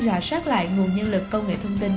rõ sát lại nguồn nhân lực công nghệ thông tin